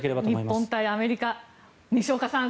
日本対アメリカ西岡さん